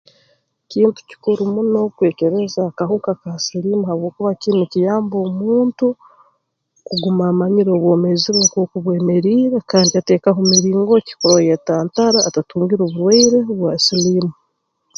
Kintu kikuru muno kwekebeza akahuka ka siliimu habwokuba kinu nikiyamba omuntu kuguma amanyire obwomeezi bwe nk'oku bwemeriire kandi yateekaho miringo kurora yatantara atatungire burwaire bwa siliimu